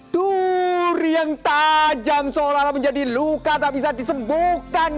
duri yang tajam seolah olah menjadi luka tak bisa disembuhkan